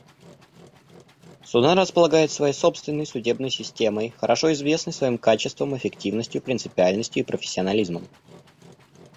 Судан располагает своей собственной судебной системой, хорошо известной своим качеством, эффективностью, принципиальностью и профессионализмом.